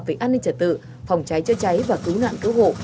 về an ninh trật tự phòng cháy chữa cháy và cứu nạn cứu hộ